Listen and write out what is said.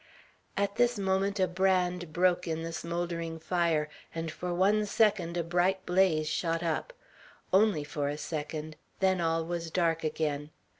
At this moment a brand broke in the smouldering fire, and for one second a bright blaze shot up; only for a second, then all was dark again.